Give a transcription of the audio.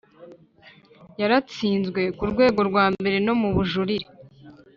Yaratsinzwe ku rwego rwa mbere no mu bujurire